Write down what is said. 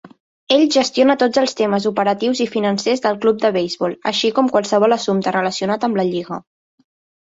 Ell gestiona tots els temes operatius i financers del club de beisbol, així com qualsevol assumpte relacionat amb la lliga.